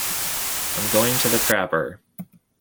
"I'm going to the crapper".